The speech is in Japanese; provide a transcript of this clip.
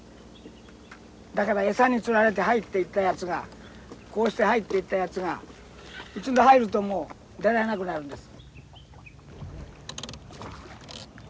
だから餌に釣られて入っていったやつがこうして入っていったやつが一度入るともう出られなくなるんです。